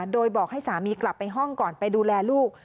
โดยบอกให้สามีกลับไปห้องก่อนไปดูแลลูก